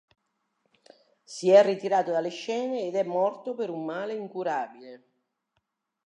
Si è ritirato dalle scene ed è morto per un male incurabile.